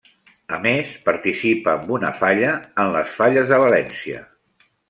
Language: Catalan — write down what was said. A més, participa amb una falla en les Falles de València.